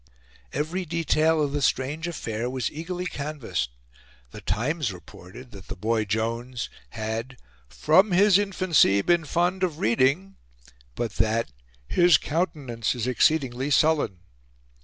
Every detail of the strange affair was eagerly canvassed. The Times reported that the boy Jones had "from his infancy been fond of reading," but that "his countenance is exceedingly sullen."